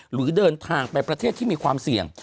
หรือเดินทางไปประเทศที่มีความเสี่ยง